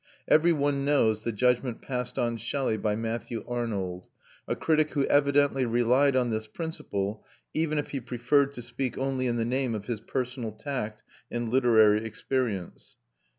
Every one knows the judgment passed on Shelley by Matthew Arnold, a critic who evidently relied on this principle, even if he preferred to speak only in the name of his personal tact and literary experience.